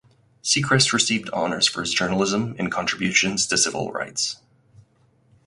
Secrest received honors for his journalism and contributions to civil rights.